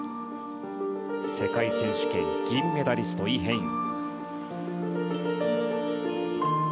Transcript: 世界選手権銀メダリストイ・ヘイン。